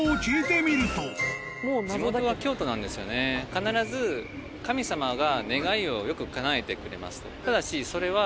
必ず神様が。